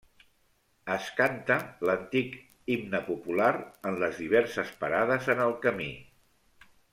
Es canta l'antic himne popular en les diverses parades en el camí.